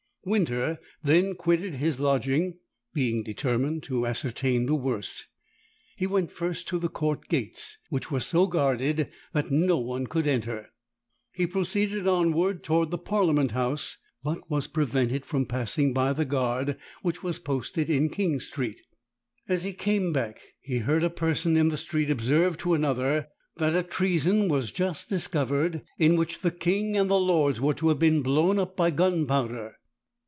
Winter then quitted his lodging, being determined to ascertain the worst. He went first to the court gates, which were so guarded that no one could enter: he proceeded onward towards the parliament house, but was prevented from passing by the guard, which was posted in King Street. As he came back he heard a person in the street observe to another, that a treason was just discovered, in which the king and the lords were to have been blown up by gunpowder.